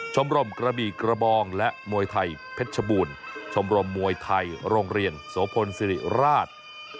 ชมรมกระบี่กระบองและมวยไทยเพชรชบูรณ์ชมรมมวยไทยโรงเรียนโสพลสิริราช